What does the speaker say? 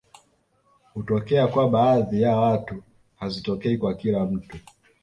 Hutokea kwa baadhi ya watu hazitokei kwa kila mtu